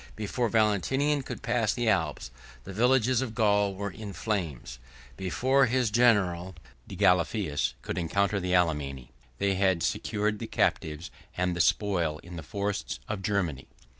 Before Valentinian could pass the Alps, the villages of Gaul were in flames; before his general Degalaiphus could encounter the Alemanni, they had secured the captives and the spoil in the forests of Germany.